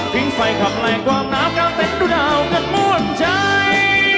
ทิ้งไฟขับแหล่งกว้างหนาวกาวเต็มดูดาวเงินม่วนใจ